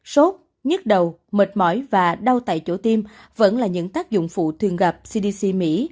sốt nhức đầu mệt mỏi và đau tại chỗ tim vẫn là những tác dụng phụ thường gặp cdc mỹ